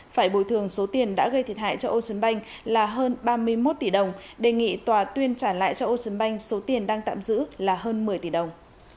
phải bồi thường số tiền đã gây thiệt hại cho ocean bank là hơn ba mươi một tỷ đồng đề nghị tòa tuyên trả lại cho ocean bank số tiền đang tạm giữ là hơn một mươi tỷ đồng